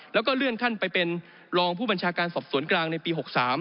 แล้วก็เลื่อนขั้นไปเป็นรองผู้บัญชาการสอบสวนกลางในปี๖๓